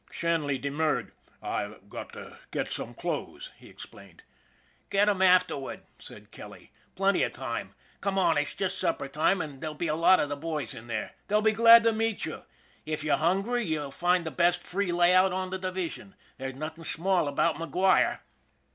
Shanley demurred. " I've got to get some clothes," he explained. "Get 'em afterward," said Kelly; "plenty of time. Come on; it's just supper time, and there'll be a lot of the boys in there. They'll be glad to meet you. If you're hungry you'll find the best free layout on the division. There's nothing small about MacGuire."